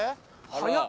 早っ！